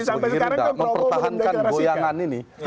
sebegini sudah mempertahankan goyangan ini